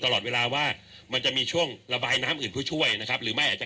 ตลอดเวลาว่ามันจะมีช่วงระบายน้ำอื่นเพื่อช่วยนะครับหรือไม่อาจจะ